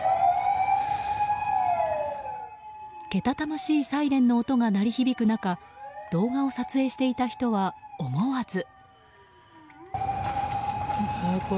けたたましいサイレンの音が鳴り響く中動画を撮影していた人は思わず。